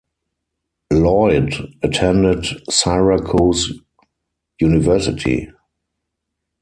Lloyd attended Syracuse University.